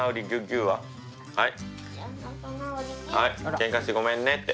「ケンカしてごめんね」って。